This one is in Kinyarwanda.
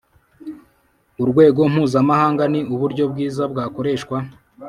urwego mpuzamahanga ni uburyo bwiza bwakoreshwa